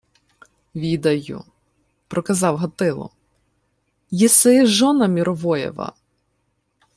— Відаю, — проказав Гатило. — Єси жона Міровоєва.